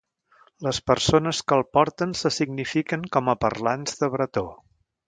Les persones que el porten se signifiquen com a parlants de bretó.